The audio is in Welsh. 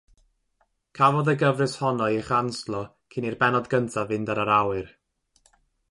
Cafodd y gyfres honno ei chanslo cyn i'r bennod gyntaf fynd ar yr awyr.